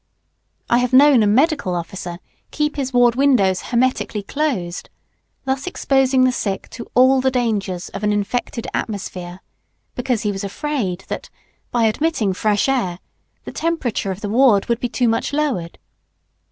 I have known a medical officer keep his ward windows hermetically closed. Thus exposing the sick to all the dangers of an infected atmosphere, because he was afraid that, by admitting fresh air, the temperature of the ward would be too much lowered.